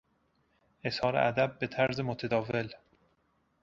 اظهار ادب به طرز متداول